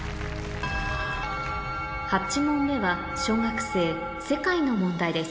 ８問目は小学生世界の問題です